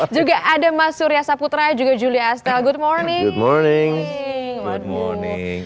juga ada mas surya saputra juga juli astel good morning